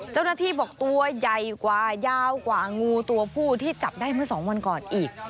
เจ้าหน้าที่บอกตัวใหญ่กว่ายาวกว่างูตัวผู้ที่จับได้เมื่อ๒วันก่อนอีก